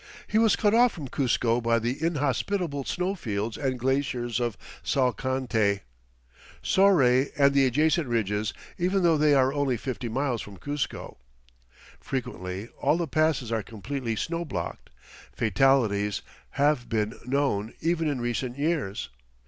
He was cut off from Cuzco by the inhospitable snow fields and glaciers of Salcantay, Soray, and the adjacent ridges, even though they are only fifty miles from Cuzco. Frequently all the passes are completely snow blocked. Fatalities have been known even in recent years.